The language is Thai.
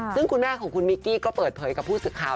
ซึ่งคุณแม่ของคุณมิกกี้ก็เปิดเผยกับผู้สื่อข่าว